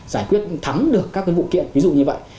một trăm linh giải quyết thắng được các vụ kiện ví dụ như vậy